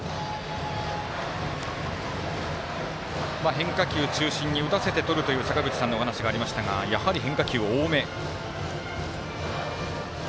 変化球中心に打たせてとるという坂口さんのお話がありましたがやはり変化球が多め。